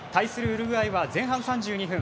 ウルグアイは前半３２分。